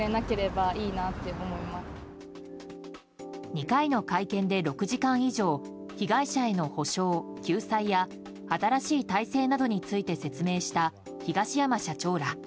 ２回の会見で６時間以上被害者への補償・救済や新しい体制などについて説明した東山社長ら。